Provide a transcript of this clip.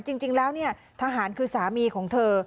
จริงแล้วทหารคือสามีของเธอ